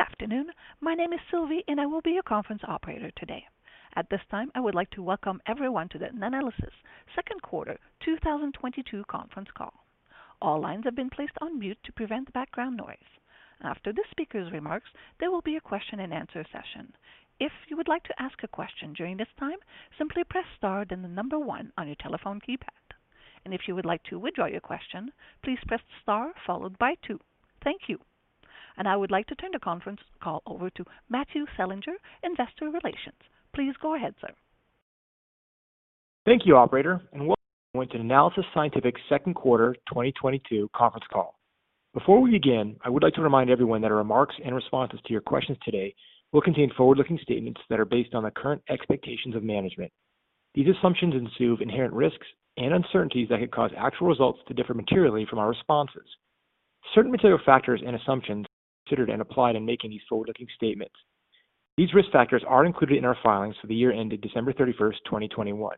Good afternoon. My name is Sylvie, and I will be your conference operator today. At this time, I would like to welcome everyone to the Nanalysis second quarter 2022 conference call. All lines have been placed on mute to prevent background noise. After the speaker's remarks, there will be a question-and-answer session. If you would like to ask a question during this time, simply press star then the number one on your telephone keypad. If you would like to withdraw your question, please press star followed by two. Thank you. I would like to turn the conference call over to Matthew Selinger, Investor Relations. Please go ahead, sir. Thank you, operator, and welcome to Nanalysis Scientific second quarter 2022 conference call. Before we begin, I would like to remind everyone that our remarks and responses to your questions today will contain forward-looking statements that are based on the current expectations of management. These assumptions are subject to inherent risks and uncertainties that could cause actual results to differ materially from those forward-looking statements. Certain material factors and assumptions are considered and applied in making these forward-looking statements. These risk factors are included in our filings for the year ended December 31st, 2021.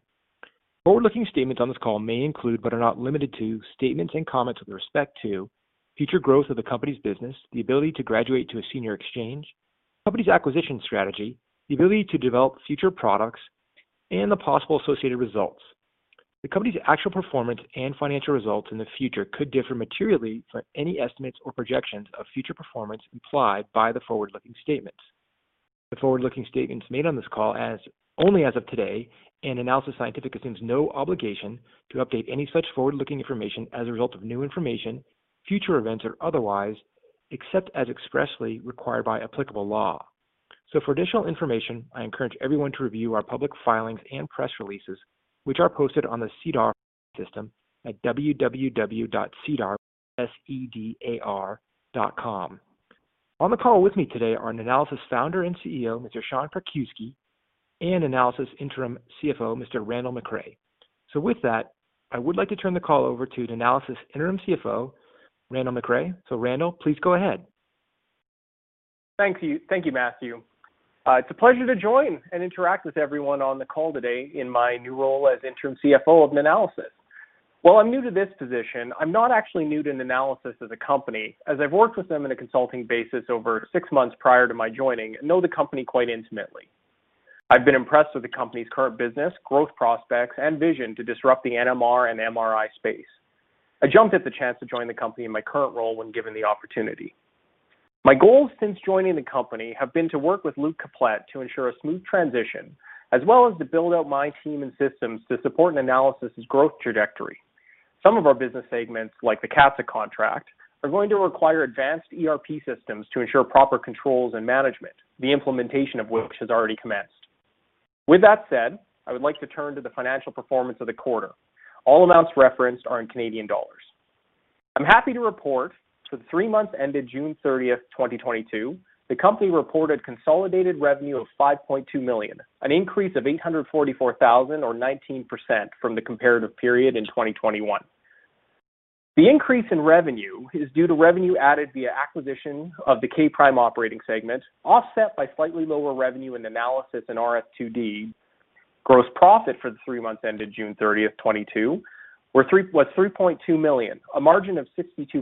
Forward-looking statements on this call may include, but are not limited to, statements and comments with respect to future growth of the company's business, the ability to graduate to a senior exchange, company's acquisition strategy, the ability to develop future products, and the possible associated results. The company's actual performance and financial results in the future could differ materially from any estimates or projections of future performance implied by the forward-looking statements. The forward-looking statements made on this call only as of today, and Nanalysis Scientific assumes no obligation to update any such forward-looking information as a result of new information, future events, or otherwise, except as expressly required by applicable law. For additional information, I encourage everyone to review our public filings and press releases, which are posted on the SEDAR system at www.sedar.com. S-E-D-A-R.com. On the call with me today are Nanalysis founder and CEO, Mr. Sean Krakiwsky, and Nanalysis interim CFO, Mr. Randall McRae. With that, I would like to turn the call over to Nanalysis interim CFO, Randall McRae. Randall, please go ahead. Thank you. Thank you, Matthew. It's a pleasure to join and interact with everyone on the call today in my new role as interim CFO of Nanalysis. While I'm new to this position, I'm not actually new to Nanalysis as a company, as I've worked with them in a consulting basis over six months prior to my joining, and know the company quite intimately. I've been impressed with the company's current business, growth prospects, and vision to disrupt the NMR and MRI space. I jumped at the chance to join the company in my current role when given the opportunity. My goals since joining the company have been to work with Luke Caplette to ensure a smooth transition, as well as to build out my team and systems to support Nanalysis's growth trajectory. Some of our business segments, like the CATSA contract, are going to require advanced ERP systems to ensure proper controls and management, the implementation of which has already commenced. With that said, I would like to turn to the financial performance of the quarter. All amounts referenced are in Canadian dollars. I'm happy to report for the three months ended June 30th, 2022, the company reported consolidated revenue of 5.2 million, an increase of 844 thousand or 19% from the comparative period in 2021. The increase in revenue is due to revenue added via acquisition of the K'Prime operating segment, offset by slightly lower revenue in Nanalysis and RS2D. Gross profit for the three months ended June 30th, 2022 was 3.2 million, a margin of 62%,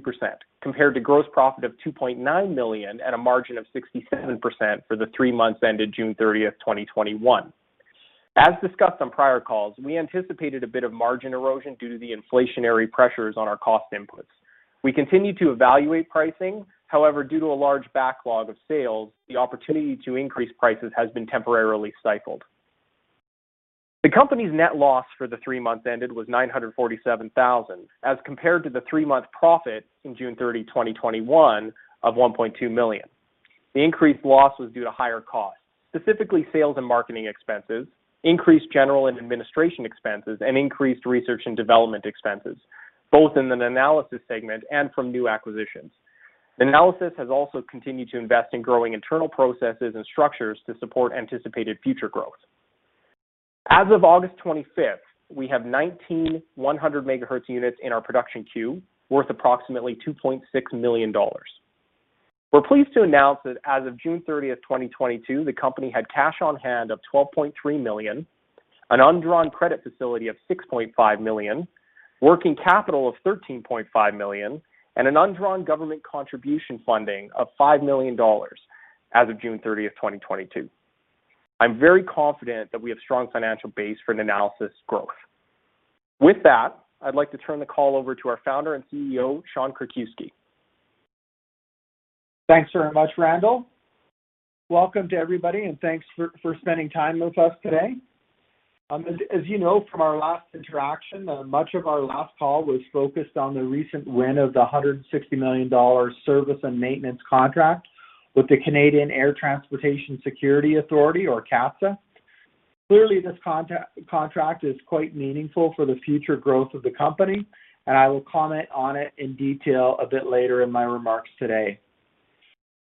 compared to gross profit of 2.9 million at a margin of 67% for the three months ended June 30th, 2021. As discussed on prior calls, we anticipated a bit of margin erosion due to the inflationary pressures on our cost inputs. We continue to evaluate pricing. However, due to a large backlog of sales, the opportunity to increase prices has been temporarily cycled. The company's net loss for the three months ended was 947,000, as compared to the three-month profit in June 30, 2021 of 1.2 million. The increased loss was due to higher costs, specifically sales and marketing expenses, increased general and administration expenses, and increased research and development expenses, both in the Nanalysis segment and from new acquisitions. Nanalysis has also continued to invest in growing internal processes and structures to support anticipated future growth. As of August 25th, we have 19 100 MHz units in our production queue, worth approximately 2.6 million dollars. We're pleased to announce that as of June 30th, 2022, the company had cash on hand of 12.3 million, an undrawn credit facility of 6.5 million, working capital of 13.5 million, and an undrawn government contribution funding of 5 million dollars as of June 30th, 2022. I'm very confident that we have strong financial base for Nanalysis growth. With that, I'd like to turn the call over to our founder and CEO, Sean Krakiwsky. Thanks very much, Randall. Welcome to everybody, and thanks for spending time with us today. As you know from our last interaction, much of our last call was focused on the recent win of the 160 million dollars service and maintenance contract with the Canadian Air Transport Security Authority or CATSA. Clearly, this contract is quite meaningful for the future growth of the company, and I will comment on it in detail a bit later in my remarks today.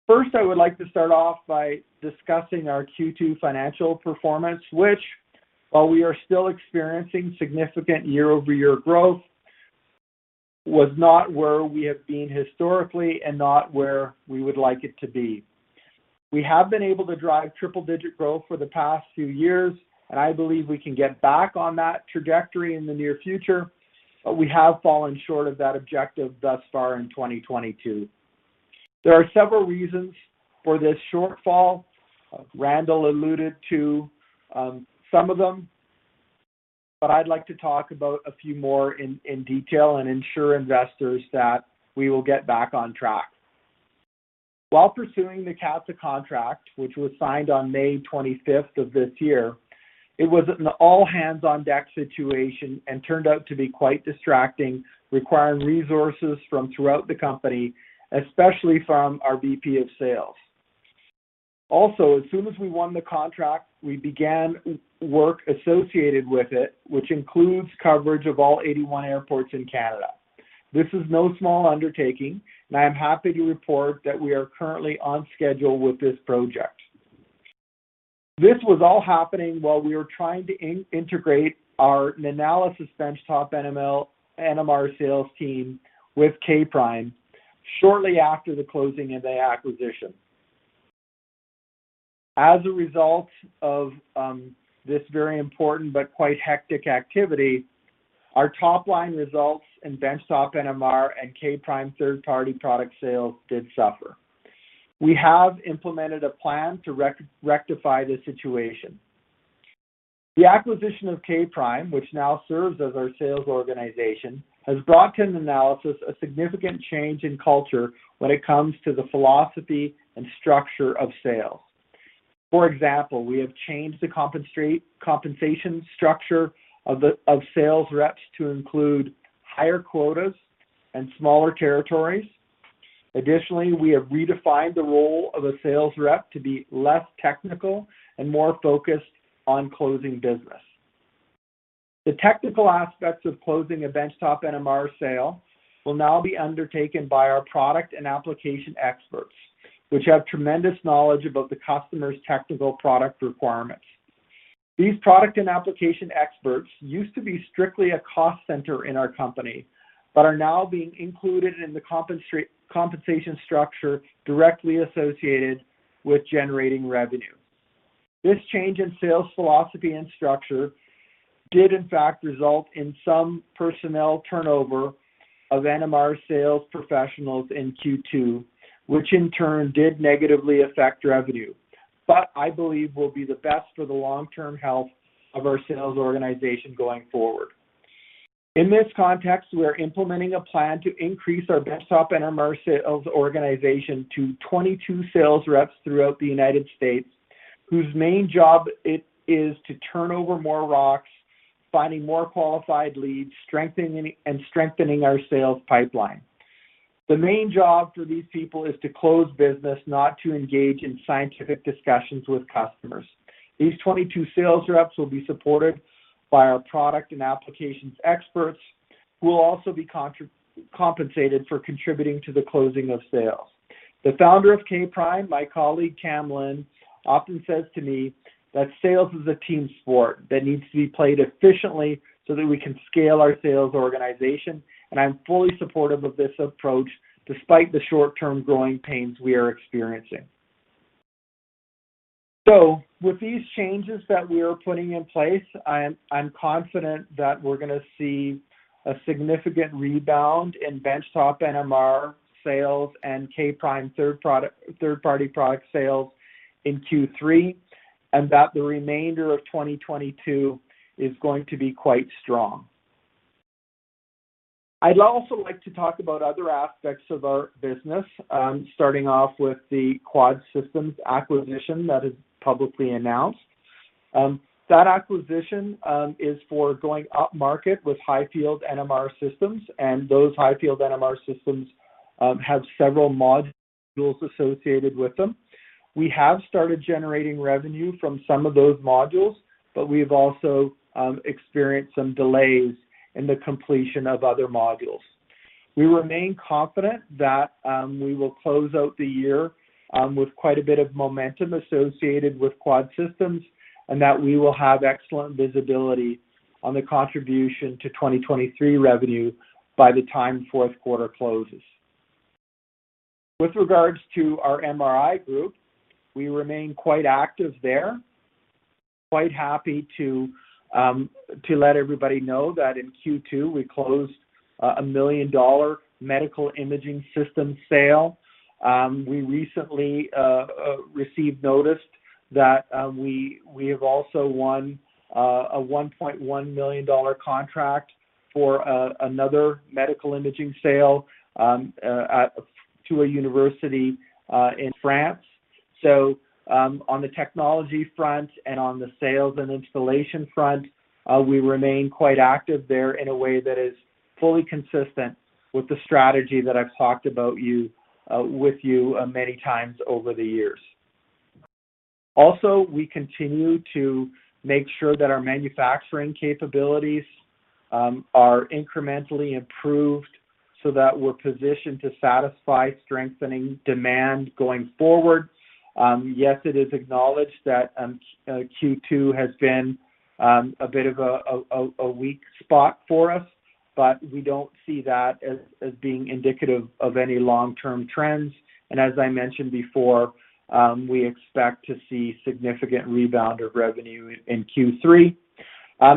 First, I would like to start off by discussing our Q2 financial performance, which while we are still experiencing significant year-over-year growth, was not where we have been historically and not where we would like it to be. We have been able to drive triple-digit growth for the past few years, and I believe we can get back on that trajectory in the near future, but we have fallen short of that objective thus far in 2022. There are several reasons for this shortfall. Randall alluded to some of them, but I'd like to talk about a few more in detail and ensure investors that we will get back on track. While pursuing the CATSA contract, which was signed on May 25th of this year, it was an all-hands-on-deck situation and turned out to be quite distracting, requiring resources from throughout the company, especially from our VP of sales. Also, as soon as we won the contract, we began work associated with it, which includes coverage of all 81 airports in Canada. This is no small undertaking, and I am happy to report that we are currently on schedule with this project. This was all happening while we were trying to integrate our Nanalysis benchtop NMR sales team with K'Prime shortly after the closing of the acquisition. As a result of this very important but quite hectic activity, our top-line results in benchtop NMR and K'Prime third-party product sales did suffer. We have implemented a plan to rectify the situation. The acquisition of K'Prime, which now serves as our sales organization, has brought to Nanalysis a significant change in culture when it comes to the philosophy and structure of sales. For example, we have changed the compensation structure of sales reps to include higher quotas and smaller territories. Additionally, we have redefined the role of a sales rep to be less technical and more focused on closing business. The technical aspects of closing a benchtop NMR sale will now be undertaken by our product and application experts, which have tremendous knowledge about the customer's technical product requirements. These product and application experts used to be strictly a cost center in our company, but are now being included in the compensation structure directly associated with generating revenue. This change in sales philosophy and structure did in fact result in some personnel turnover of NMR sales professionals in Q2, which in turn did negatively affect revenue, but I believe will be the best for the long-term health of our sales organization going forward. In this context, we are implementing a plan to increase our benchtop NMR sales organization to 22 sales reps throughout the United States, whose main job is to turn over more rocks, finding more qualified leads, strengthening our sales pipeline. The main job for these people is to close business, not to engage in scientific discussions with customers. These 22 sales reps will be supported by our product and applications experts, who will also be compensated for contributing to the closing of sales. The founder of K'Prime, my colleague Kam Lin, often says to me that sales is a team sport that needs to be played efficiently so that we can scale our sales organization, and I'm fully supportive of this approach despite the short-term growing pains we are experiencing. With these changes that we are putting in place, I'm confident that we're gonna see a significant rebound in benchtop NMR sales and K'Prime third-party product sales in Q3, and that the remainder of 2022 is going to be quite strong. I'd also like to talk about other aspects of our business, starting off with the QUAD Systems acquisition that is publicly announced. That acquisition is for going upmarket with high-field NMR systems, and those high-field NMR systems have several modules associated with them. We have started generating revenue from some of those modules, but we've also experienced some delays in the completion of other modules. We remain confident that we will close out the year with quite a bit of momentum associated with QUAD Systems and that we will have excellent visibility on the contribution to 2023 revenue by the time fourth quarter closes. With regards to our MRI group, we remain quite active there. Quite happy to let everybody know that in Q2 we closed a 1 million dollar medical imaging system sale. We recently received notice that we have also won a 1.1 million dollar contract for another medical imaging sale to a university in France. On the technology front and on the sales and installation front, we remain quite active there in a way that is fully consistent with the strategy that I've talked about you, with you, many times over the years. Also, we continue to make sure that our manufacturing capabilities are incrementally improved so that we're positioned to satisfy strengthening demand going forward. Yes, it is acknowledged that Q2 has been a bit of a weak spot for us. We don't see that as being indicative of any long-term trends. As I mentioned before, we expect to see significant rebound of revenue in Q3.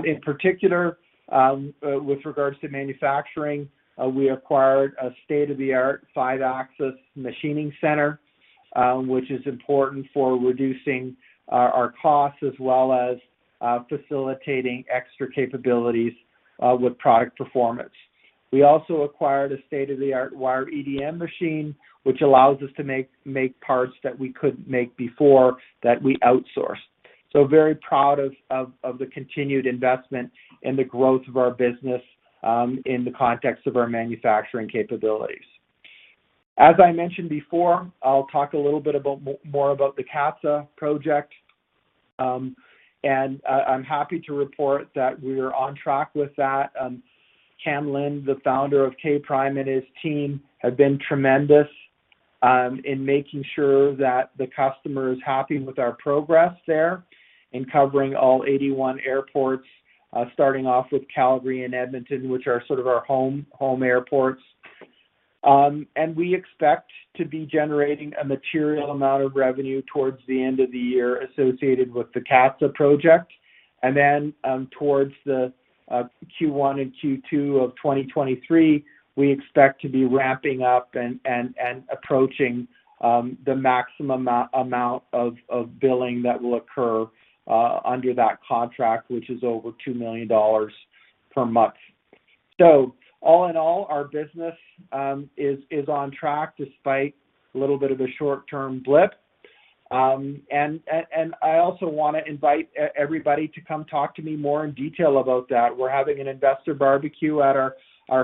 In particular, with regards to manufacturing, we acquired a state-of-the-art five-axis machining center, which is important for reducing our costs as well as facilitating extra capabilities with product performance. We also acquired a state-of-the-art wire EDM machine, which allows us to make parts that we couldn't make before that we outsourced. Very proud of the continued investment in the growth of our business, in the context of our manufacturing capabilities. As I mentioned before, I'll talk a little bit more about the CATSA project. I'm happy to report that we're on track with that. Kam Lin, the founder of K'Prime and his team have been tremendous in making sure that the customer is happy with our progress there in covering all 81 airports, starting off with Calgary and Edmonton, which are sort of our home airports. We expect to be generating a material amount of revenue towards the end of the year associated with the CATSA project. Towards the Q1 and Q2 of 2023, we expect to be ramping up and approaching the maximum amount of billing that will occur under that contract, which is over 2 million dollars per month. All in all, our business is on track despite a little bit of a short-term blip. I also wanna invite everybody to come talk to me more in detail about that. We're having an investor barbecue at our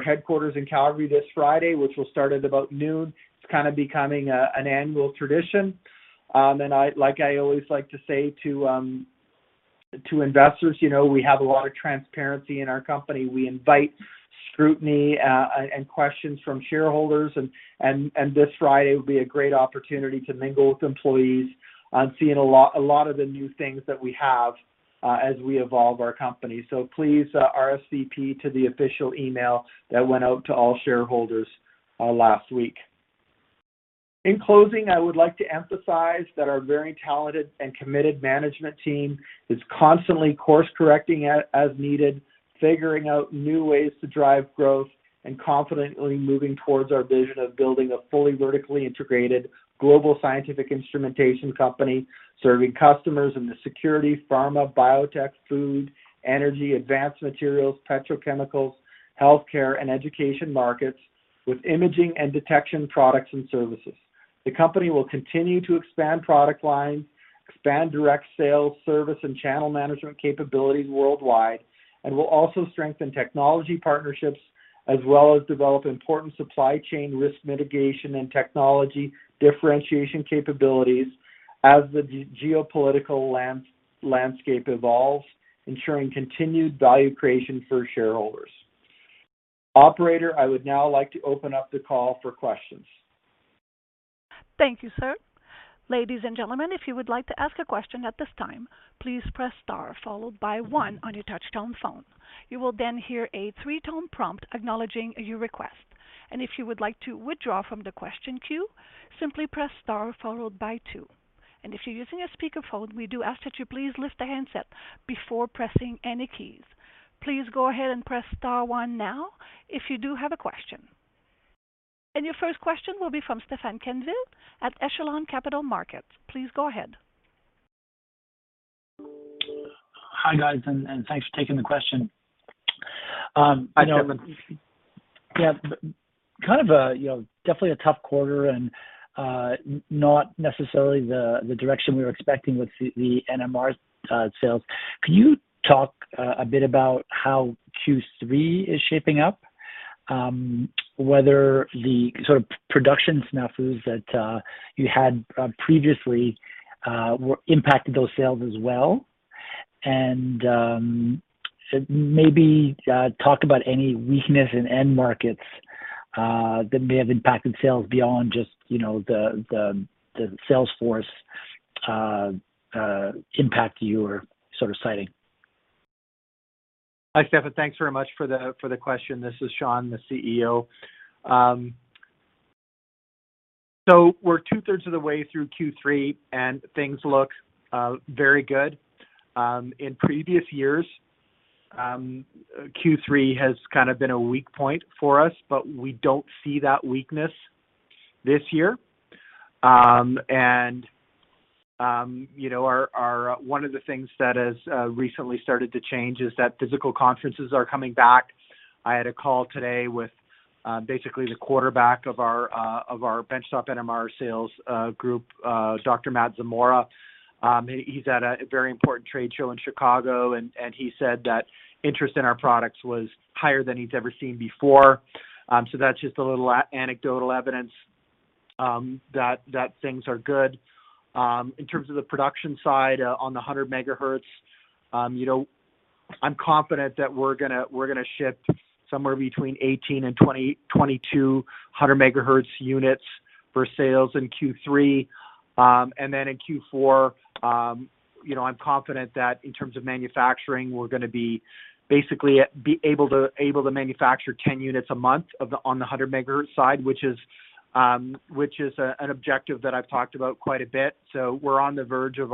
headquarters in Calgary this Friday, which will start at about noon. It's kinda becoming an annual tradition. Like I always like to say to investors, you know, we have a lot of transparency in our company. We invite scrutiny and questions from shareholders. This Friday will be a great opportunity to mingle with employees and seeing a lot of the new things that we have as we evolve our company. Please RSVP to the official email that went out to all shareholders last week. In closing, I would like to emphasize that our very talented and committed management team is constantly course-correcting as needed, figuring out new ways to drive growth, and confidently moving towards our vision of building a fully vertically integrated global scientific instrumentation company, serving customers in the security, pharma, biotech, food, energy, advanced materials, petrochemicals, healthcare, and education markets with imaging and detection products and services. The company will continue to expand product lines, expand direct sales, service, and channel management capabilities worldwide, and will also strengthen technology partnerships, as well as develop important supply chain risk mitigation and technology differentiation capabilities as the geopolitical landscape evolves, ensuring continued value creation for shareholders. Operator, I would now like to open up the call for questions. Thank you, sir. Ladies and gentlemen, if you would like to ask a question at this time, please press star followed by one on your touch-tone phone. You will then hear a three-tone prompt acknowledging your request. If you would like to withdraw from the question queue, simply press star followed by two. If you're using a speakerphone, we do ask that you please lift the handset before pressing any keys. Please go ahead and press star one now if you do have a question. Your first question will be from Stefan Quenneville at Echelon Capital Markets. Please go ahead. Hi, guys, and thanks for taking the question. You know- Hi, Stefan. Yeah. Kind of a, you know, definitely a tough quarter and not necessarily the direction we were expecting with the NMR sales. Can you talk a bit about how Q3 is shaping up? Whether the sort of production snafus that you had previously were impacted those sales as well? Maybe talk about any weakness in end markets that may have impacted sales beyond just, you know, the sales force impact you were sort of citing. Hi, Stefan. Thanks very much for the question. This is Sean, the CEO. We're 2/3 of the way through Q3, and things look very good. In previous years, Q3 has kind of been a weak point for us, but we don't see that weakness this year. One of the things that has recently started to change is that physical conferences are coming back. I had a call today with basically the quarterback of our benchtop NMR sales group, Dr. Max Czmielewski. He's at a very important trade show in Chicago, and he said that interest in our products was higher than he's ever seen before. That's just a little anecdotal evidence that things are good. In terms of the production side, on the 100 MHz, you know, I'm confident that we're gonna ship somewhere between 18 and 22 100 MHz units for sales in Q3. In Q4, you know, I'm confident that in terms of manufacturing, we're gonna be basically able to manufacture 10 units a month on the 100 MHz side, which is an objective that I've talked about quite a bit. We're on the verge of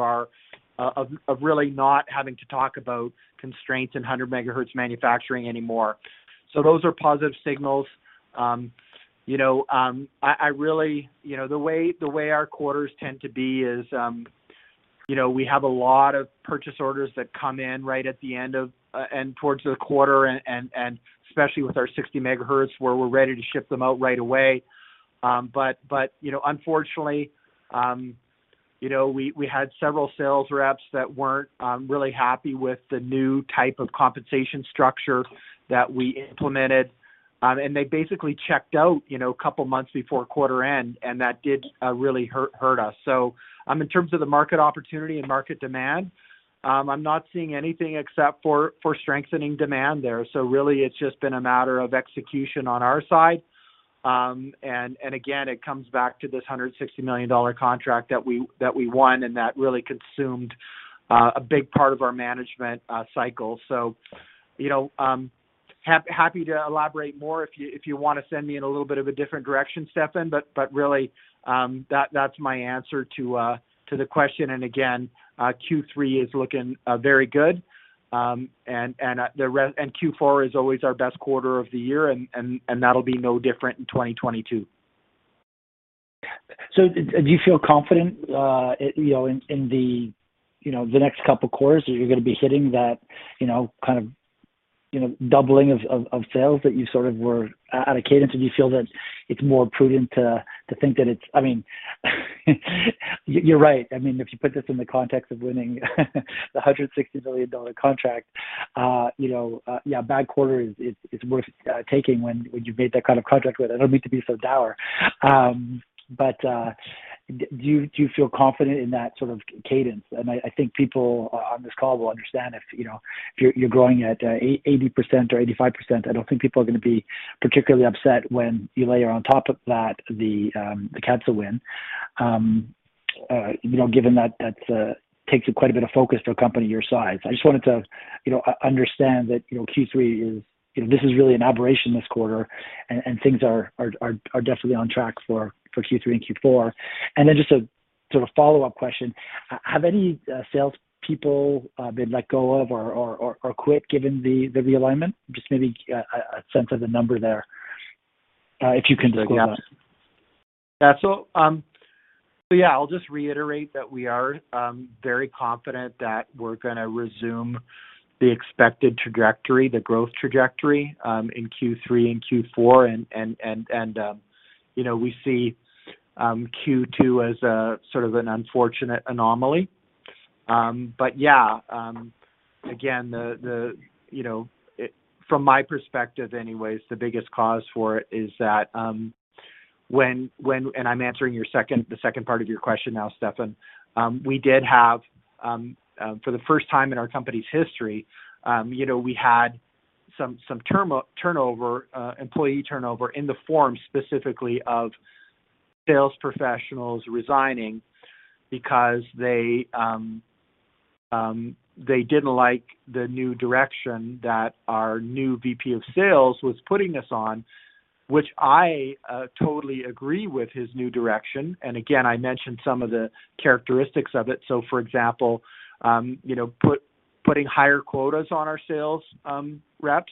really not having to talk about constraints in 100 MHz manufacturing anymore. Those are positive signals. You know, I really, you know, the way our quarters tend to be is, you know, we have a lot of purchase orders that come in right at the end of and towards the quarter, and especially with our 60 MHz, where we're ready to ship them out right away. You know, unfortunately, you know, we had several sales reps that weren't really happy with the new type of compensation structure that we implemented, and they basically checked out, you know, a couple of months before quarter end, and that did really hurt us. In terms of the market opportunity and market demand, I'm not seeing anything except for strengthening demand there. Really, it's just been a matter of execution on our side. It comes back to this 160 million dollar contract that we won, and that really consumed a big part of our management cycle. You know, happy to elaborate more if you wanna send me in a little bit of a different direction, Stefan, but really, that's my answer to the question. Q3 is looking very good. Q4 is always our best quarter of the year, and that'll be no different in 2022. Do you feel confident, you know, in the next couple of quarters that you're gonna be hitting that, you know, kind of, you know, doubling of sales that you sort of were at a cadence? Or do you feel that it's more prudent? I mean, you're right. I mean, if you put this in the context of winning the 160 million dollar contract, you know, yeah, bad quarter is worth taking when you've made that kind of contract win. I don't mean to be so dour. Do you feel confident in that sort of cadence? I think people on this call will understand if, you know, if you're growing at 80% or 85%, I don't think people are gonna be particularly upset when you layer on top of that the cancer win, you know, given that that takes quite a bit of focus for a company your size. I just wanted to, you know, understand that, you know, Q3 is. You know, this is really an aberration this quarter, and things are definitely on track for Q3 and Q4. Then just a sort of follow-up question. Have any sales people been let go of or quit given the realignment? Just maybe a sense of the number there, if you can disclose that. Yeah, I'll just reiterate that we are very confident that we're gonna resume the expected trajectory, the growth trajectory, in Q3 and Q4. You know, we see Q2 as a sort of an unfortunate anomaly. Again, you know, from my perspective anyways, the biggest cause for it is that, I'm answering the second part of your question now, Stefan, we did have for the first time in our company's history, you know, we had some employee turnover in the form specifically of sales professionals resigning because they didn't like the new direction that our new VP of sales was putting us on, which I totally agree with his new direction. Again, I mentioned some of the characteristics of it. For example, you know, putting higher quotas on our sales reps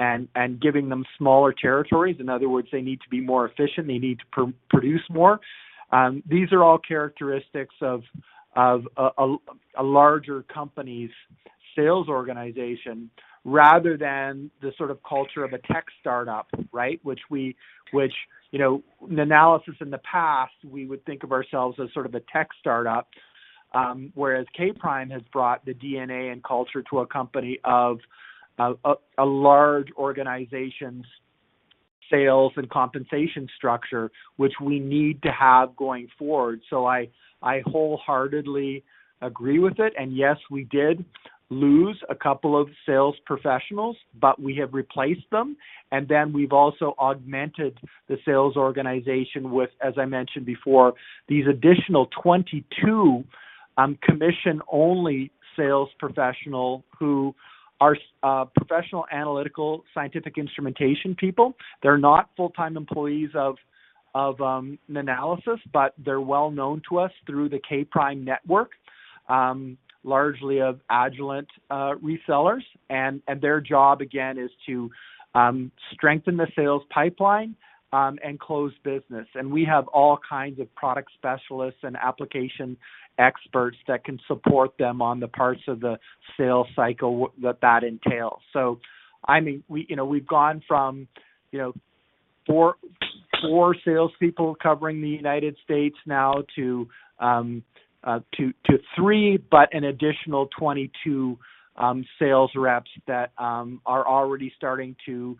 and giving them smaller territories. In other words, they need to be more efficient. They need to produce more. These are all characteristics of a larger company's sales organization rather than the sort of culture of a tech startup, right? Which we, you know, in Nanalysis in the past, we would think of ourselves as sort of a tech startup, whereas K'Prime has brought the DNA and culture to a company of a large organization's sales and compensation structure, which we need to have going forward. I wholeheartedly agree with it. Yes, we did lose a couple of sales professionals, but we have replaced them. We've also augmented the sales organization with, as I mentioned before, these additional 22 commission-only sales professional who are professional analytical scientific instrumentation people. They're not full-time employees of Nanalysis, but they're well known to us through the K'Prime network, largely of Agilent resellers. Their job, again, is to strengthen the sales pipeline and close business. We have all kinds of product specialists and application experts that can support them on the parts of the sales cycle that entails. I mean, we've gone from four salespeople covering the United States now to three, but an additional 22 sales reps that are already starting to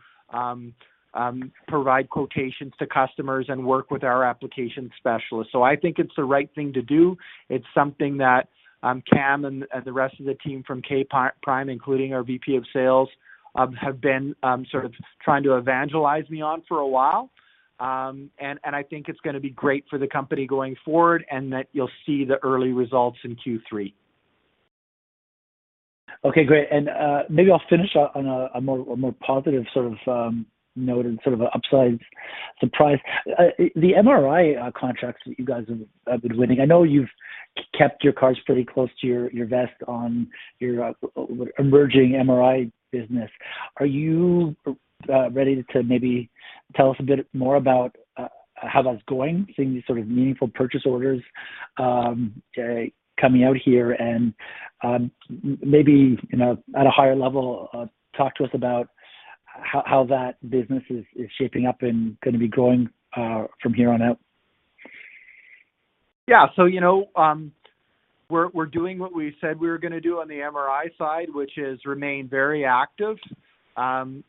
provide quotations to customers and work with our application specialists. I think it's the right thing to do. It's something that, Kam Lin and the rest of the team from K'Prime, including our VP of sales, have been, sort of trying to evangelize me on for a while. I think it's gonna be great for the company going forward and that you'll see the early results in Q3. Okay, great. Maybe I'll finish on a more positive sort of note and sort of an upside surprise. The MRI contracts that you guys have been winning, I know you've kept your cards pretty close to your vest on your emerging MRI business. Are you ready to maybe tell us a bit more about how that's going, seeing these sort of meaningful purchase orders coming out here and maybe, you know, at a higher level, talk to us about how that business is shaping up and gonna be going from here on out? You know, we're doing what we said we were gonna do on the MRI side, which is remain very active, you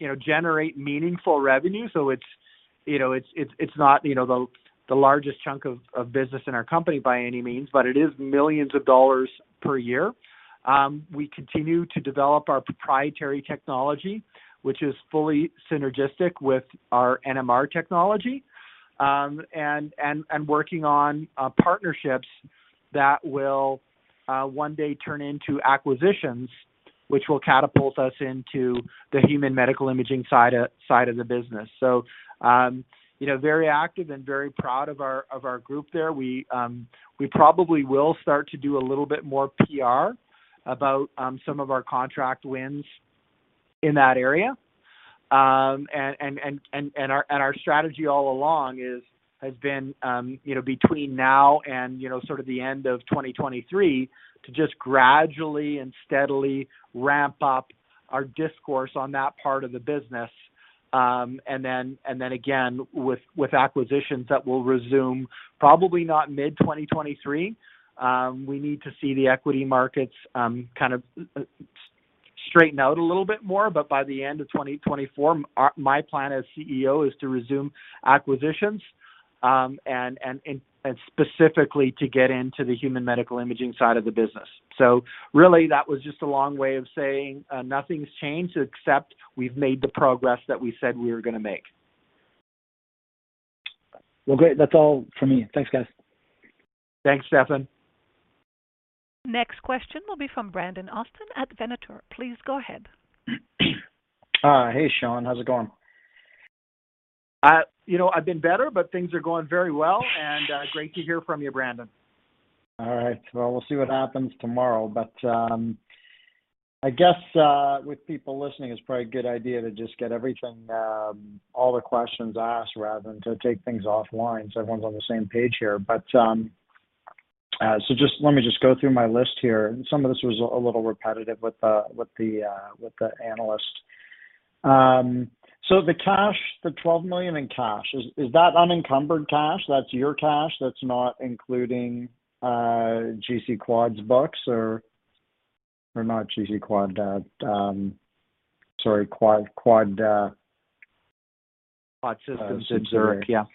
know, generate meaningful revenue. It's, you know, it's not, you know, the largest chunk of business in our company by any means, but it is millions of dollars per year. We continue to develop our proprietary technology, which is fully synergistic with our NMR technology, and working on partnerships that will one day turn into acquisitions, which will catapult us into the human medical imaging side of the business. You know, very active and very proud of our group there. We probably will start to do a little bit more PR about some of our contract wins in that area. Our strategy all along has been, you know, between now and, you know, sort of the end of 2023, to just gradually and steadily ramp up our resources on that part of the business, and then again with acquisitions that will resume probably not mid-2023. We need to see the equity markets, kind of, straighten out a little bit more. By the end of 2024, my plan as CEO is to resume acquisitions, and specifically to get into the human medical imaging side of the business. Really, that was just a long way of saying, nothing's changed except we've made the progress that we said we were gonna make. Well, great. That's all for me. Thanks, guys. Thanks, Stefan. Next question will be from Brandon Austin at Venator. Please go ahead. Hey, Sean. How's it going? You know, I've been better, but things are going very well and great to hear from you, Brandon. All right. Well, we'll see what happens tomorrow. I guess with people listening, it's probably a good idea to just get everything, all the questions asked rather than to take things offline so everyone's on the same page here. Just let me just go through my list here. Some of this was a little repetitive with the analyst. The cash, the 12 million in cash, is that unencumbered cash? That's your cash, that's not including QUAD's books or not QUAD, sorry, QUAD. QUAD Systems in Zurich. Yeah.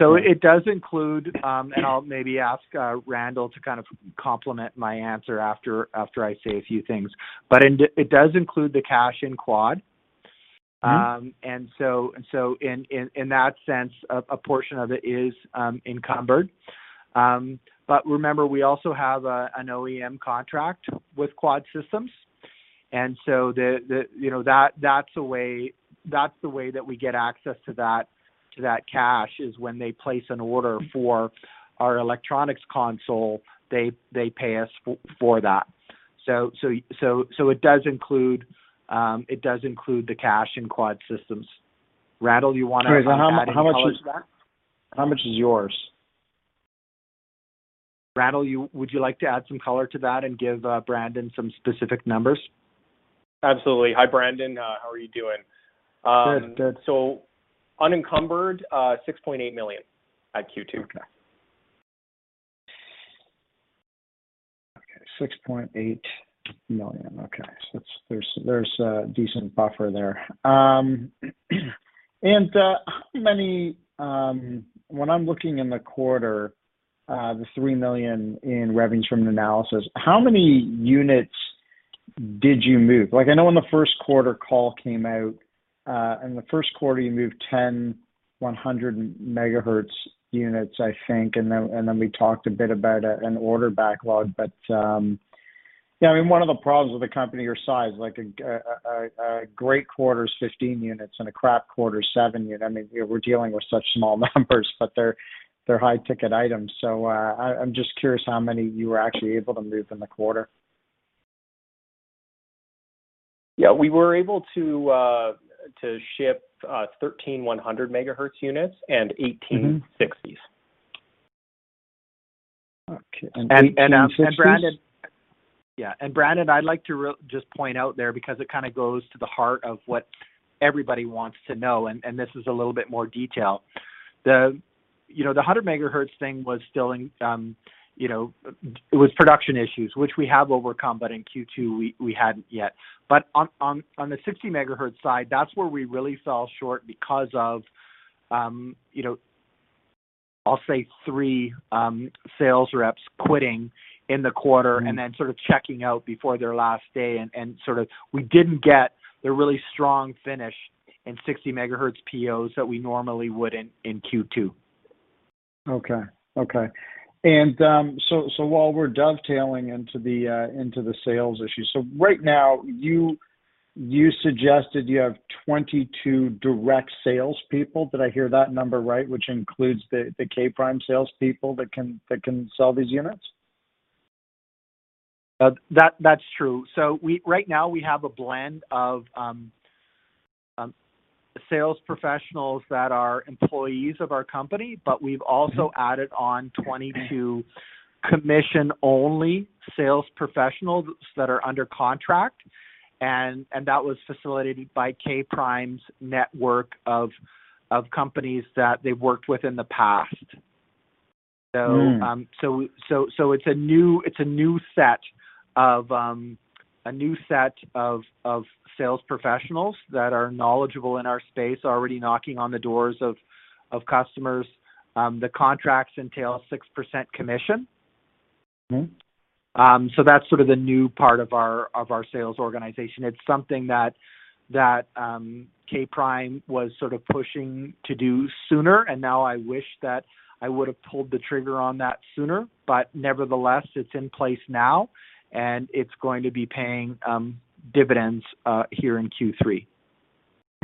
It does include, and I'll maybe ask Randall to kind of complement my answer after I say a few things. It does include the cash in QUAD. Mm-hmm. In that sense, a portion of it is encumbered. Remember, we also have an OEM contract with QUAD Systems. You know, that's the way that we get access to that cash is when they place an order for our electronics console, they pay us for that. It does include the cash in QUAD Systems. Randall, do you wanna add any color to that? Sorry. How much is yours? Randall, would you like to add some color to that and give Brandon some specific numbers? Absolutely. Hi, Brandon. How are you doing? Good. Good. Unencumbered, 6.8 million at Q2. Okay. 6.8 million. Okay. So that's there's a decent buffer there. And how many, when I'm looking in the quarter, the 3 million in revenues from Nanalysis, how many units did you move? Like, I know when the first quarter call came out, in the first quarter, you moved 10 100 MHz units, I think. And then we talked a bit about an order backlog. But you know, I mean, one of the problems with a company your size, like a great quarter is 15 units and a crap quarter is 7 units. I mean, you know, we're dealing with such small numbers, but they're high-ticket items. So I just curious how many you were actually able to move in the quarter. Yeah. We were able to ship 13 100 MHz units and 18- Mm-hmm 60s. Okay. Brandon. Yeah. Brandon, I'd like to just point out there because it kind of goes to the heart of what everybody wants to know, and this is a little bit more detail. You know, the 100 MHz thing was still in, you know, it was production issues, which we have overcome, but in Q2 we hadn't yet. On the 60 MHz side, that's where we really fell short because of, you know, I'll say three sales reps quitting in the quarter. Mm-hmm Sort of checking out before their last day, sort of we didn't get the really strong finish in 60 MHz POs that we normally would in Q2. Okay. While we're dovetailing into the sales issue. Right now, you suggested you have 22 direct sales people. Did I hear that number right, which includes the K'Prime sales people that can sell these units? That's true. Right now we have a blend of sales professionals that are employees of our company, but we've also added on 22 commission only sales professionals that are under contract, and that was facilitated by K'Prime's network of companies that they worked with in the past. Mm. It's a new set of sales professionals that are knowledgeable in our space, already knocking on the doors of customers. The contracts entail 6% commission. Mm-hmm. That's sort of the new part of our sales organization. It's something that K'Prime was sort of pushing to do sooner, and now I wish that I would've pulled the trigger on that sooner. Nevertheless, it's in place now, and it's going to be paying dividends here in Q3.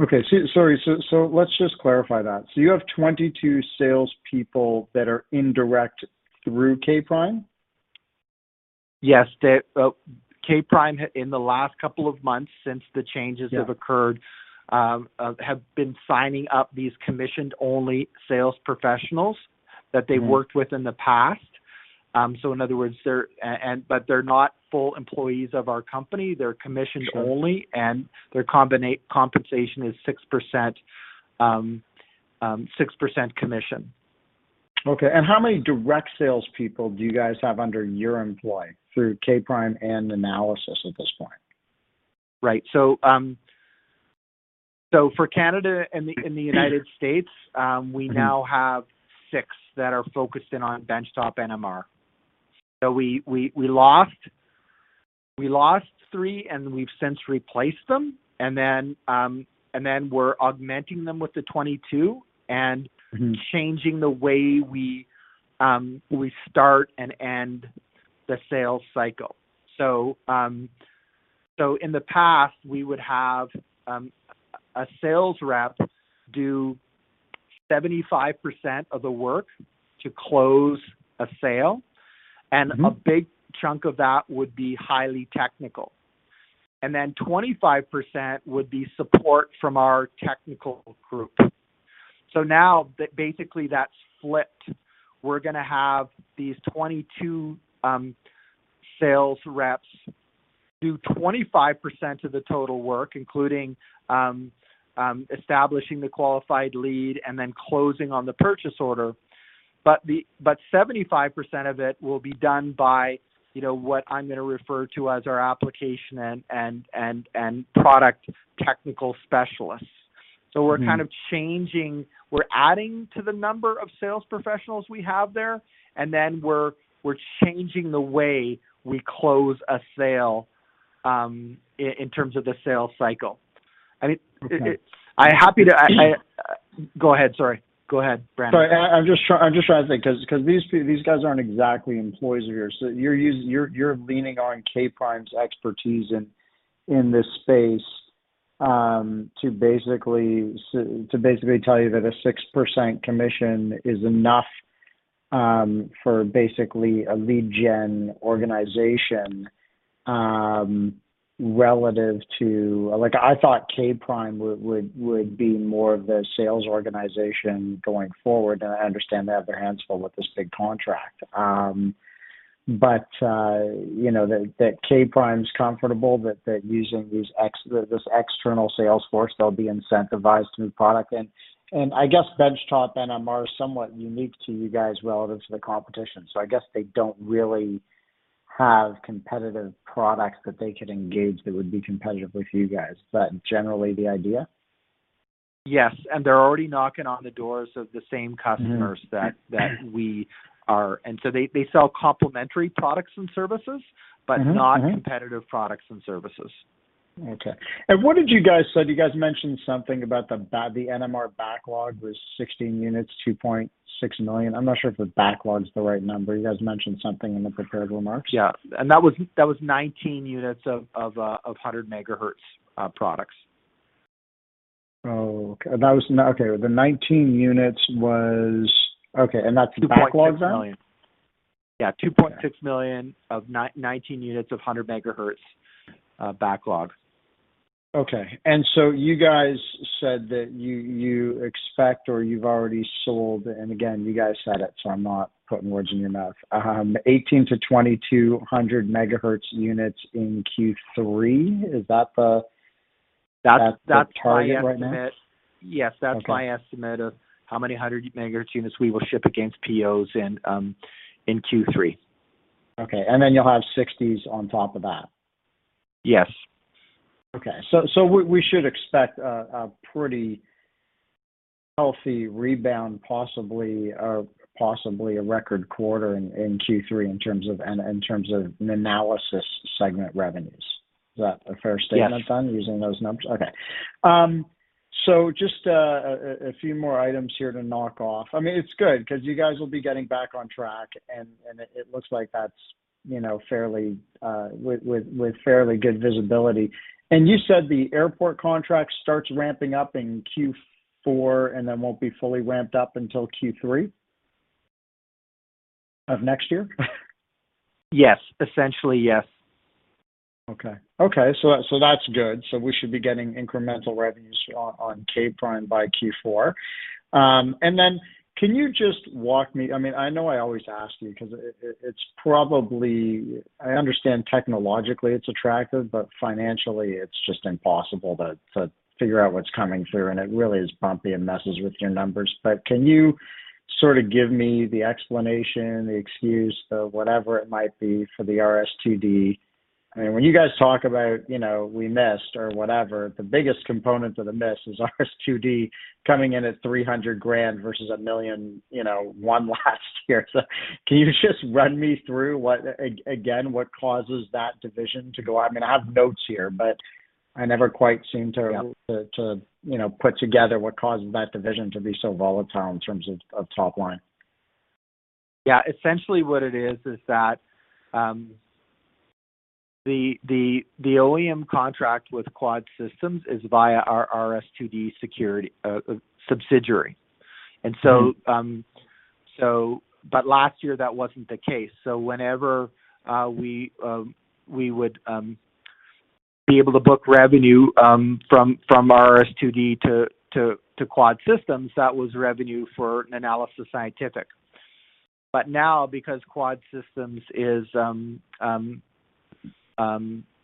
Okay, sorry. Let's just clarify that. You have 22 sales people that are indirect through K'Prime? Yes. The K'Prime in the last couple of months since the changes have occurred, have been signing up these commissioned only sales professionals that they- Mm-hmm Worked with in the past. In other words, they're, but they're not full employees of our company. They're commissioned- Sure.... only, and their compensation is 6% commission. Okay. How many direct sales people do you guys have under your employ through K'Prime and Nanalysis at this point? Right. For Canada and the United States. Mm-hmm We now have six that are focused in on benchtop NMR. We lost three, and we've since replaced them. Then we're augmenting them with the 22 and- Mm-hmm Changing the way we start and end the sales cycle. In the past we would have a sales rep do 75% of the work to close a sale. Mm-hmm. A big chunk of that would be highly technical. 25% would be support from our technical group. Now basically that's flipped. We're gonna have these 22 sales reps do 25% of the total work, including establishing the qualified lead and then closing on the purchase order. 75% of it will be done by, you know, what I'm gonna refer to as our application and product technical specialists. Mm-hmm. We're adding to the number of sales professionals we have there, and then we're changing the way we close a sale, in terms of the sales cycle. I mean- Okay. Go ahead. Sorry. Go ahead, Brad. Sorry. I'm just trying to think 'cause these guys aren't exactly employees of yours. You're leaning on K'Prime's expertise in this space to basically tell you that a 6% commission is enough for basically a lead gen organization relative to. Like I thought K'Prime would be more of the sales organization going forward, and I understand they have their hands full with this big contract. You know, that K'Prime's comfortable that using this external sales force, they'll be incentivized new product. I guess benchtop NMR is somewhat unique to you guys relative to the competition. I guess they don't really have competitive products that they could engage that would be competitive with you guys. Is that generally the idea? Yes. They're already knocking on the doors of the same customers. Mm-hmm That we are. They sell complementary products and services. Mm-hmm. Mm-hmm Not competitive products and services. Okay. What did you guys say? Did you guys mention something about the NMR backlog was 16 units, 2.6 million. I'm not sure if the backlog's the right number. You guys mentioned something in the prepared remarks. Yeah. That was 19 units of 100 MHz products. Oh, okay. The 19 units was okay, and that's the backlog then? 2.6 million. Yeah. Okay. 2.6 million of 19 units of 100 MHz backlog. Okay. You guys said that you expect or you've already sold, and again, you guys said it, so I'm not putting words in your mouth, 18-22 100 MHz units in Q3. Is that the- That's my estimate. That's the target right now? Yes. Okay. That's my estimate of how many 100 MHz units we will ship against POs in Q3. Okay. You'll have sixties on top of that? Yes. Okay. We should expect a pretty healthy rebound, possibly a record quarter in Q3 in terms of Nanalysis segment revenues. Is that a fair statement? Yes Using those numbers? Okay. Just a few more items here to knock off. I mean, it's good because you guys will be getting back on track and it looks like that's, you know, fairly with fairly good visibility. You said the airport contract starts ramping up in Q4 and then won't be fully ramped up until Q3 of next year? Yes. Essentially, yes. Okay. That's good. We should be getting incremental revenues on K'Prime by Q4. I mean, I know I always ask you because I understand technologically it's attractive, but financially it's just impossible to figure out what's coming through, and it really is bumpy and messes with your numbers. Can you sort of give me the explanation, the excuse for whatever it might be for the RS2D? I mean, when you guys talk about, you know, we missed or whatever, the biggest component of the miss is RS2D coming in at 300,000 versus 1 million, you know, one last year. Can you just run me through what again causes that division to go up? I mean, I have notes here, but I never quite seem to- YeahYeah.... to you know put together what causes that division to be so volatile in terms of top line. Yeah. Essentially what it is is that the OEM contract with QUAD Systems is via our RS2D security subsidiary. Mm-hmm. Last year, that wasn't the case. Whenever we would be able to book revenue from RS2D to QUAD Systems, that was revenue for Nanalysis Scientific. Now, because QUAD Systems is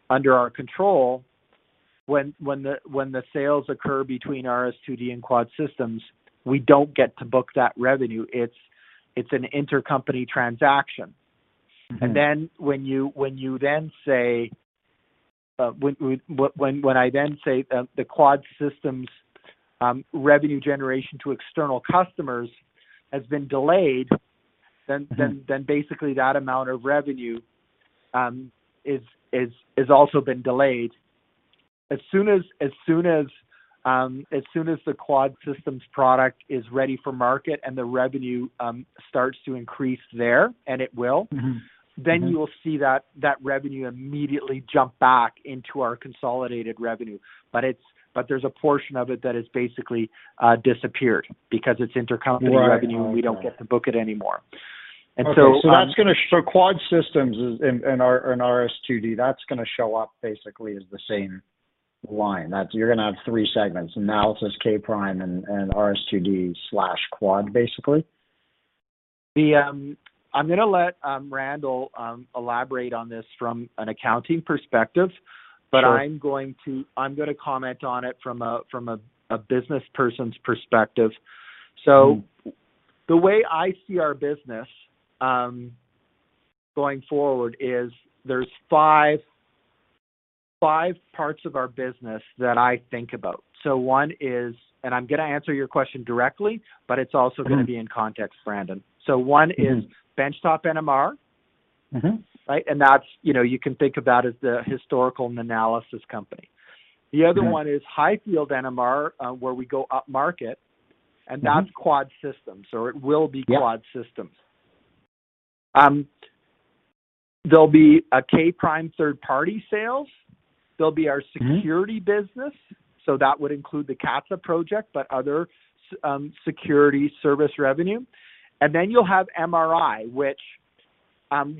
under our control, when the sales occur between RS2D and QUAD Systems, we don't get to book that revenue. It's an intercompany transaction. Mm-hmm. When you say, when I say the QUAD Systems' revenue generation to external customers has been delayed, then. Mm-hmm Basically that amount of revenue is also been delayed. As soon as the QUAD Systems product is ready for market and the revenue starts to increase there, and it will. Mm-hmm, mm-hmm. You will see that revenue immediately jump back into our consolidated revenue. There's a portion of it that is basically disappeared because it's intercompany revenue. Right. We don't get to book it anymore. QUAD Systems is, and RS2D, that's gonna show up basically as the same line. There, you're gonna have three segments, Nanalysis, K'Prime, and RS2D/QUAD, basically. I'm gonna let Randall elaborate on this from an accounting perspective. Sure. I'm gonna comment on it from a business person's perspective. Mm-hmm. The way I see our business going forward is there's five parts of our business that I think about. One is, and I'm gonna answer your question directly, but it's also. Mm-hmm Gonna be in context, Brandon. Mm-hmm. One is benchtop NMR. Mm-hmm. Right? That's, you know, you can think about as the historical Nanalysis company. Okay. The other one is high field NMR, where we go up market. Mm-hmm. That's QUAD Systems, or it will be. Yeah QUAD Systems. There'll be a K'Prime third party sales. There'll be our- Mm-hmm ...security business, so that would include the CATSA project, but other security service revenue. Then you'll have MRI, which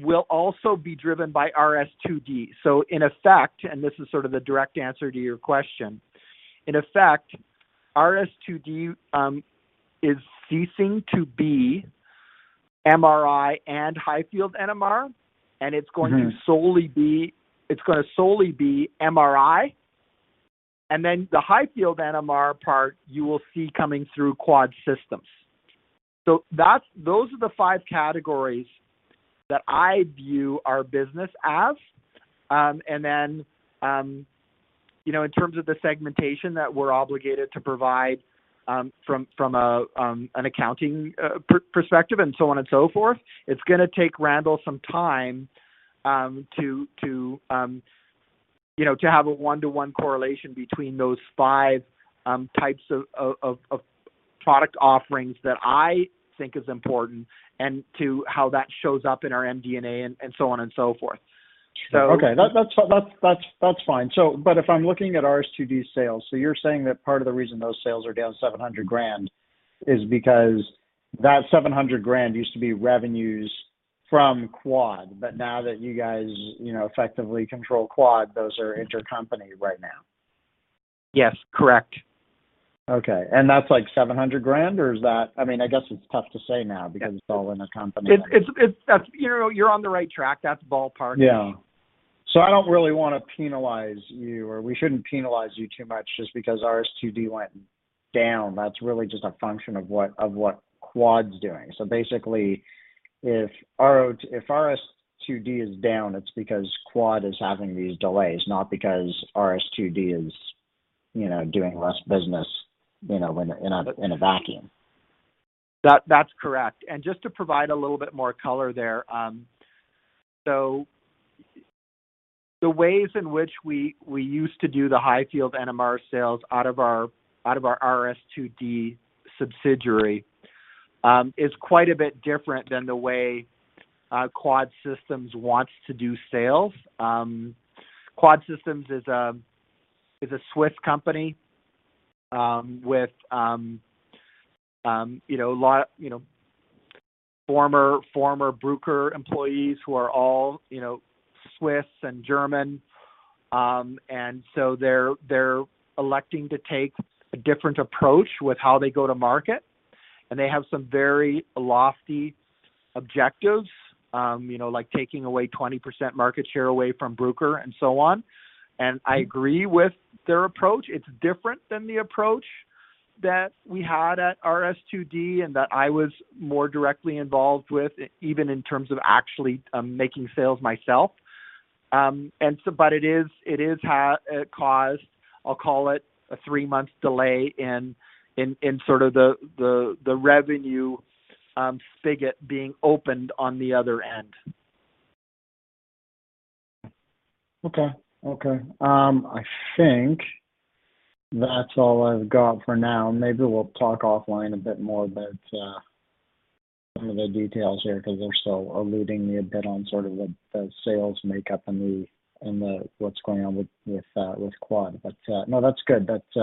will also be driven by RS2D. In effect, and this is sort of the direct answer to your question, in effect, RS2D is ceasing to be MRI and high field NMR, and it's going to- Mm-hmm It's gonna solely be MRI. The high field NMR part you will see coming through QUAD Systems. Those are the five categories that I view our business as. You know, in terms of the segmentation that we're obligated to provide, from an accounting perspective and so on and so forth, it's gonna take Randall some time you know to have a one-to-one correlation between those five types of product offerings that I think is important and to how that shows up in our MD&A and so on and so forth. That's fine. If I'm looking at RS2D sales, you're saying that part of the reason those sales are down 700,000 is because that 700,000 used to be revenues from Quad. Now that you guys, you know, effectively control Quad, those are intercompany right now? Yes, correct. Okay. That's like 700,000 or is that, I mean, I guess it's tough to say now because it's all intercompany right now. That's, you know, you're on the right track. That's ballparkish. Yeah. I don't really wanna penalize you, or we shouldn't penalize you too much just because RS2D went down. That's really just a function of what QUAD's doing. Basically if RS2D is down, it's because QUAD is having these delays, not because RS2D is, you know, doing less business, you know, in a vacuum. That, that's correct. Just to provide a little bit more color there, the ways in which we used to do the high-field NMR sales out of our RS2D subsidiary is quite a bit different than the way QUAD Systems wants to do sales. QUAD Systems is a Swiss company with a lot of former Bruker employees who are all Swiss and German. They're electing to take a different approach with how they go to market, and they have some very lofty objectives, like taking away 20% market share away from Bruker and so on. I agree with their approach. It's different than the approach that we had at RS2D, and that I was more directly involved with, even in terms of actually making sales myself. It is caused, I'll call it, a three-month delay in sort of the revenue spigot being opened on the other end. I think that's all I've got for now. Maybe we'll talk offline a bit more about some of the details here 'cause they're still eluding me a bit on sort of the sales makeup and what's going on with QUAD. No, that's good. It's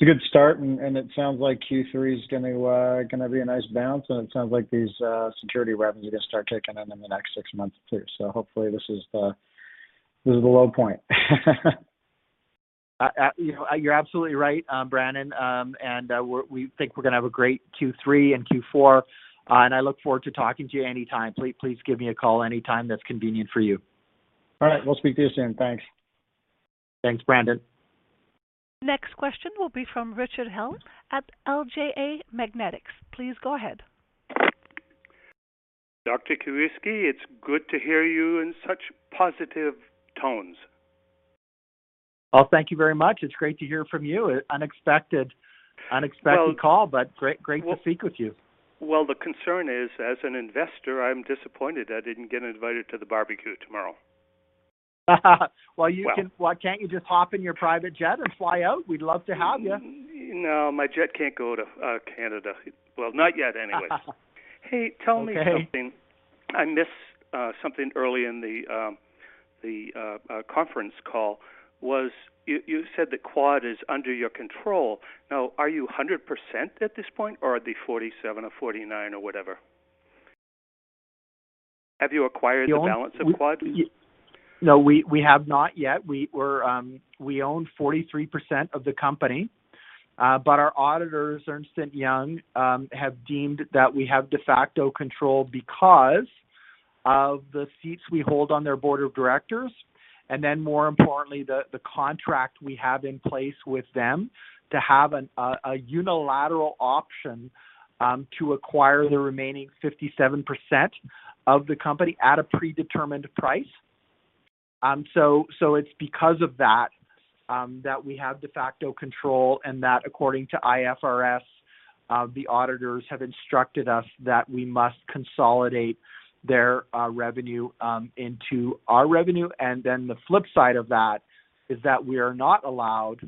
a good start, and it sounds like Q3 is gonna be a nice bounce, and it sounds like these security revenues are gonna start kicking in in the next six months too. Hopefully this is the low point. You know, you're absolutely right, Brandon. We think we're gonna have a great Q3 and Q4, and I look forward to talking to you anytime. Please give me a call anytime that's convenient for you. All right. We'll speak to you soon. Thanks. Thanks, Brandon. Next question will be from Richard Helle at BJA Magnetics. Please go ahead. Dr. Krakiwsky, it's good to hear you in such positive tones. Oh, thank you very much. It's great to hear from you. Unexpected call, but great to speak with you. Well, the concern is, as an investor, I'm disappointed I didn't get invited to the barbecue tomorrow. Why can't you just hop in your private jet and fly out? We'd love to have you. No, my jet can't go to Canada. Well, not yet anyway. Okay. Hey, tell me something. I missed something early in the conference call, what you said that QUAD is under your control. Now, are you 100% at this point, or are they 47% or 49% or whatever? Have you acquired the balance of QUAD? No, we have not yet. We own 43% of the company, but our auditors, Ernst & Young, have deemed that we have de facto control because of the seats we hold on their board of directors, and then more importantly, the contract we have in place with them to have a unilateral option to acquire the remaining 57% of the company at a predetermined price. So it's because of that that we have de facto control and that according to IFRS, the auditors have instructed us that we must consolidate their revenue into our revenue. The flip side of that is that we are not allowed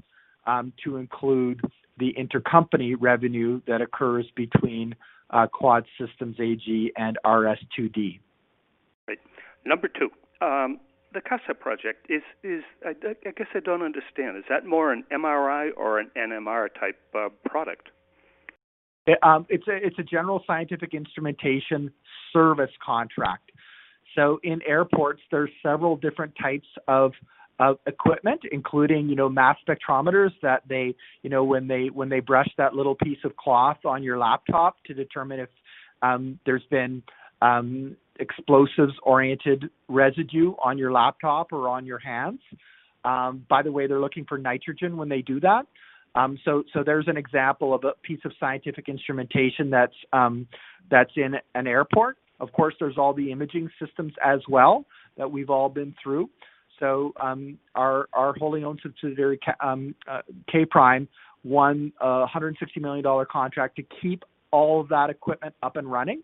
to include the intercompany revenue that occurs between QUAD Systems AG and RS2D. Right. Number two, the CATSA project is I guess I don't understand. Is that more an MRI or an NMR type of product? It's a general scientific instrumentation service contract. In airports, there's several different types of equipment, including, you know, mass spectrometers that they, you know, when they brush that little piece of cloth on your laptop to determine if there's been explosives-oriented residue on your laptop or on your hands. By the way, they're looking for nitrogen when they do that. There's an example of a piece of scientific instrumentation that's in an airport. Of course, there's all the imaging systems as well that we've all been through. Our wholly-owned subsidiary, K'Prime, won a 160 million dollar contract to keep all of that equipment up and running.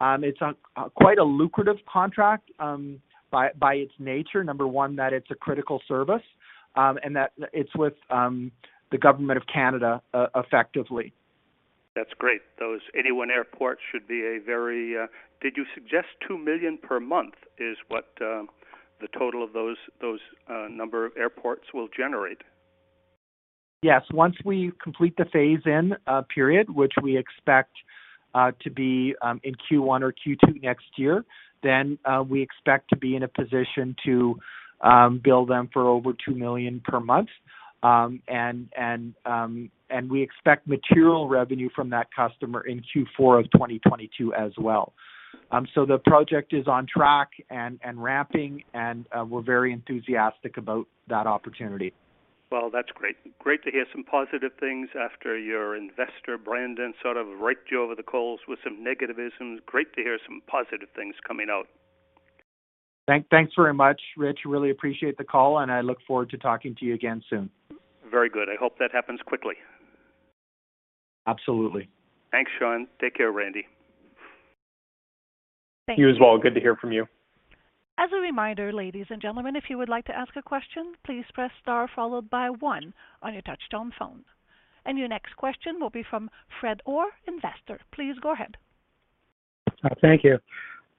It's quite a lucrative contract by its nature. Number one, that it's a critical service, and that it's with the Government of Canada, effectively. That's great. Did you suggest 2 million per month is what, the total of those number of airports will generate? Yes. Once we complete the phase in period, which we expect to be in Q1 or Q2 next year, then we expect to be in a position to bill them for over 2 million per month. We expect material revenue from that customer in Q4 of 2022 as well. The project is on track and ramping, and we're very enthusiastic about that opportunity. Well, that's great. Great to hear some positive things after your investor, Brandon, sort of raked you over the coals with some negativism. Great to hear some positive things coming out. Thanks very much, Rich. Really appreciate the call, and I look forward to talking to you again soon. Very good. I hope that happens quickly. Absolutely. Thanks, Sean. Take care, Randy. You as well. Good to hear from you. As a reminder, ladies and gentlemen, if you would like to ask a question, please press star followed by one on your touchtone phone. Your next question will be from Fred Orr, Investor. Please go ahead. Thank you.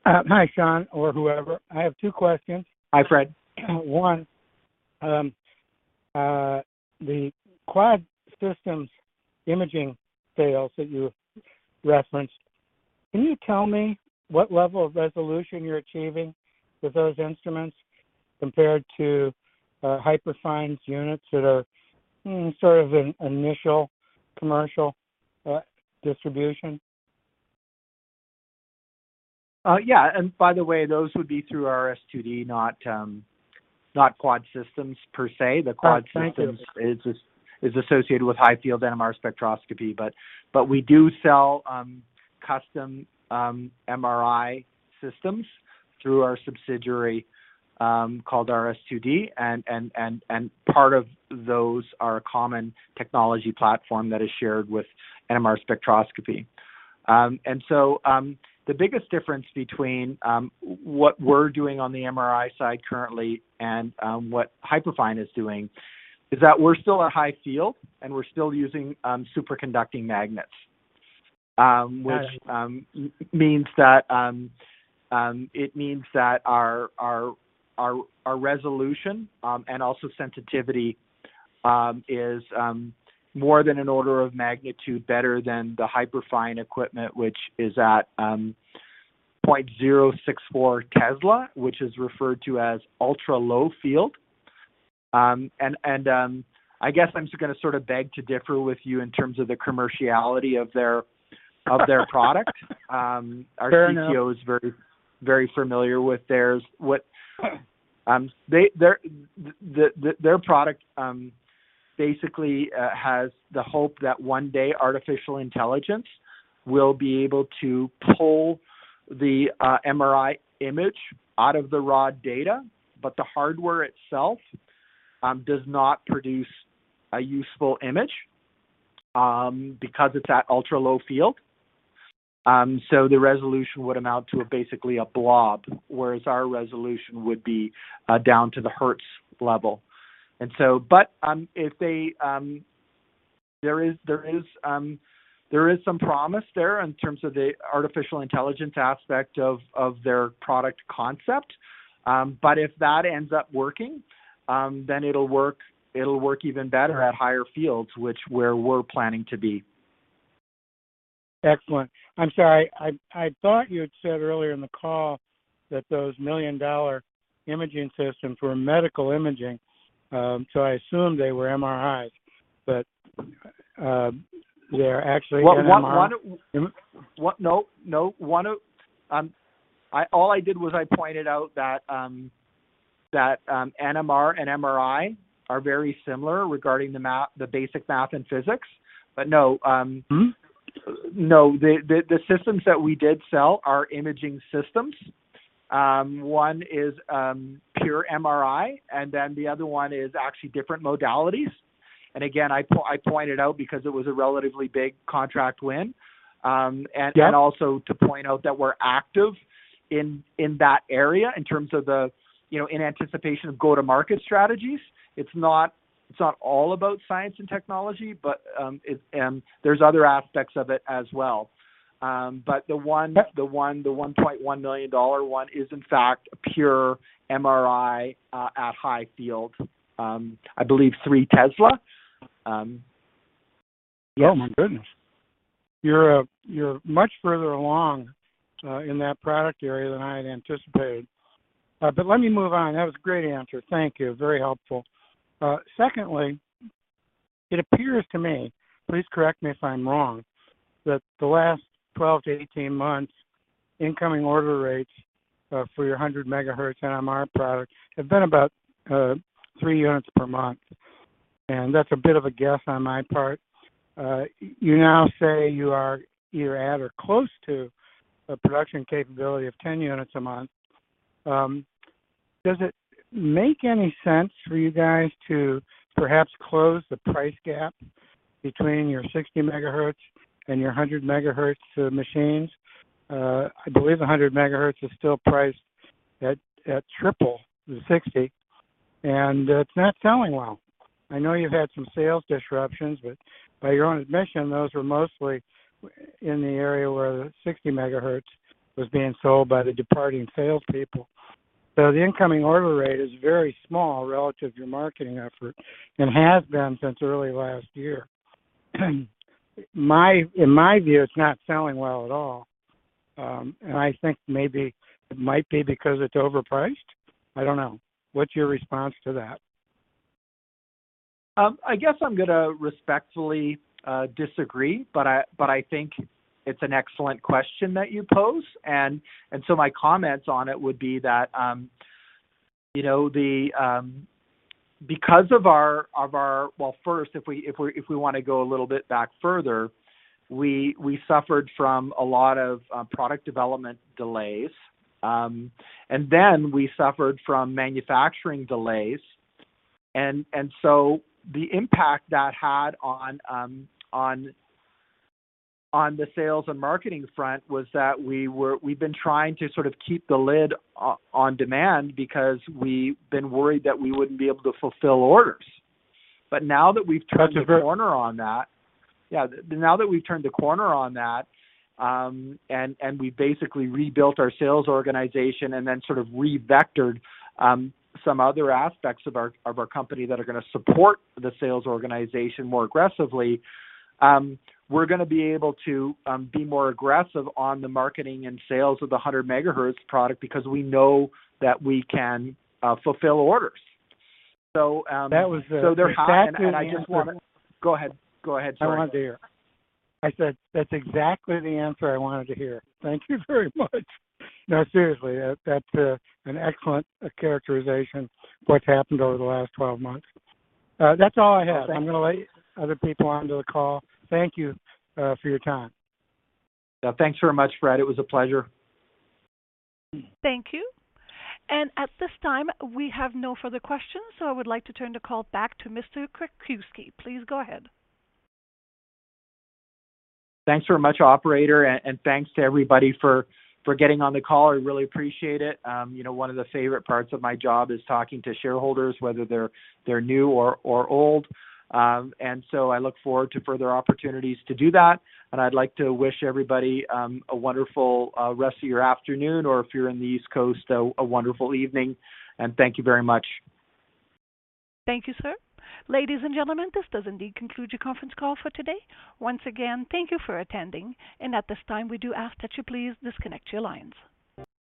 Hi, Sean, or whoever. I have two questions. Hi, Fred. One, the QUAD Systems imaging sales that you referenced, can you tell me what level of resolution you're achieving with those instruments compared to Hyperfine's units that are in sort of an initial commercial distribution? Yeah, by the way, those would be through our RS2D, not QUAD Systems per se. Oh, thank you. QUAD Systems is associated with high-field NMR spectroscopy. We do sell custom MRI systems through our subsidiary called RS2D. Part of those are a common technology platform that is shared with NMR spectroscopy. The biggest difference between what we're doing on the MRI side currently and what Hyperfine is doing is that we're still a high field, and we're still using superconducting magnets. Got it. It means that our resolution and also sensitivity is more than an order of magnitude better than the Hyperfine equipment, which is at 0.064 Tesla, which is referred to as ultra-low field. I guess I'm just gonna sort of beg to differ with you in terms of the commerciality of their product. Fair enough. Our CTO is very, very familiar with theirs. Their product basically has the hope that one day artificial intelligence will be able to pull the MRI image out of the raw data, but the hardware itself does not produce a useful image because it's at ultra-low field. The resolution would amount to basically a blob, whereas our resolution would be down to the hertz level. There is some promise there in terms of the artificial intelligence aspect of their product concept. If that ends up working, then it'll work even better at higher fields, which where we're planning to be. Excellent. I'm sorry, I thought you had said earlier in the call that those million-dollar imaging systems were medical imaging, so I assumed they were MRIs. They're actually NMR. All I did was I pointed out that NMR and MRI are very similar regarding the basic math and physics. But no. Mm-hmm. No. The systems that we did sell are imaging systems. One is pure MRI, and then the other one is actually different modalities. Again, I pointed out because it was a relatively big contract win. Yeah. Also to point out that we're active in that area in terms of the, you know, in anticipation of go-to-market strategies. It's not all about science and technology, but there's other aspects of it as well. Yep. The 1.1 million dollar one is in fact a pure MRI at high field. I believe 3 Tesla. Oh my goodness. You're much further along in that product area than I had anticipated. Let me move on. That was a great answer, thank you. Very helpful. Secondly, it appears to me, please correct me if I'm wrong, that the last 12-18 months incoming order rates for your 100 MHz NMR product have been about three units per month, and that's a bit of a guess on my part. You now say you are either at or close to a production capability of 10 units a month. Does it make any sense for you guys to perhaps close the price gap between your 60 MHz and your 100 MHz machines? I believe a 100 MHz is still priced at triple the 60, and it's not selling well. I know you've had some sales disruptions, but by your own admission, those were mostly in the area where the 60 MHz was being sold by the departing salespeople. The incoming order rate is very small relative to your marketing effort and has been since early last year. In my view, it's not selling well at all, and I think maybe it might be because it's overpriced. I don't know. What's your response to that? I guess I'm gonna respectfully disagree, but I think it's an excellent question that you pose. My comments on it would be that you know the because of our well first if we wanna go a little bit back further we suffered from a lot of product development delays. We suffered from manufacturing delays. The impact that had on the sales and marketing front was that we've been trying to sort of keep the lid on demand because we've been worried that we wouldn't be able to fulfill orders. Now that we've turned the corner on that, yeah. Now that we've turned the corner on that, and we basically rebuilt our sales organization and then sort of re-vectored some other aspects of our company that are gonna support the sales organization more aggressively, we're gonna be able to be more aggressive on the marketing and sales of the 100 MHz product because we know that we can fulfill orders. That was exactly the answer. They're hot, and I just wanna go ahead, sorry. I wanted to hear. I said that's exactly the answer I wanted to hear. Thank you very much. No, seriously, that's an excellent characterization of what's happened over the last 12 months. That's all I had. Okay. I'm gonna let other people onto the call. Thank you, for your time. Yeah. Thanks very much, Fred. It was a pleasure. Thank you. At this time, we have no further questions, so I would like to turn the call back to Mr. Krakiwsky. Please go ahead. Thanks very much, operator. Thanks to everybody for getting on the call. I really appreciate it. You know, one of the favorite parts of my job is talking to shareholders, whether they're new or old. I look forward to further opportunities to do that. I'd like to wish everybody a wonderful rest of your afternoon or if you're in the East Coast, a wonderful evening. Thank you very much. Thank you, sir. Ladies and gentlemen, this does indeed conclude your conference call for today. Once again, thank you for attending. At this time, we do ask that you please disconnect your lines.